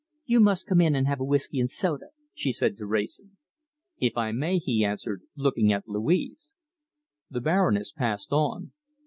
"You must come in and have a whisky and soda," she said to Wrayson. "If I may," he answered, looking at Louise. The Baroness passed on.